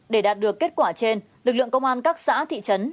để đạt được kết quả trên lực lượng công an các xã thị trấn